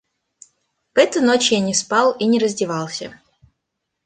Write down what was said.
В эту ночь я не спал и не раздевался.